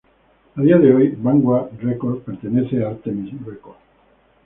A día de hoy, Vanguard Records pertenece a Artemis Records.